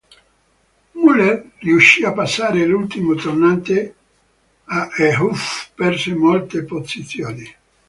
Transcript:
Muller riuscì a passare all'ultimo tornante e Huff perse molte posizioni.